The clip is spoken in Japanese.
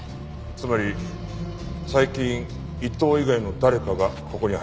つまり最近伊藤以外の誰かがここに入った。